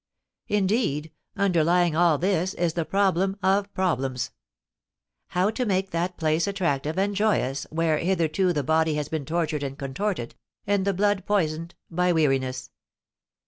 Indeed, underlying all this is the problem of problems: how to make that place attractive and joyous where hitherto the body has been tortured and contorted, and the blood poisoned by weariness!